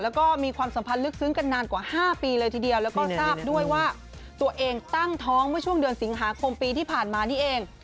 แล้วก็มีความสัมพันธ์ลึกซึ้งกันนานกว่า๕ปีเลยทีเดียวแล้วก็ทราบด้วยว่าตัวเองตั้งท้องเมื่อช่วงเดือนสิงหาคมปีที่ผ่านมานี่เอง